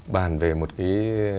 bàn về một cái